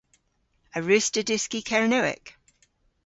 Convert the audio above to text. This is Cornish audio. A wruss'ta dyski Kernewek?